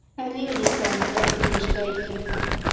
Allinmi kanqa willashqaykim.